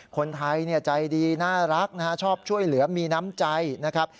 คนไทยใจดีน่ารักนะฮะชอบช่วยเหลือมีน้ำใจนะครับ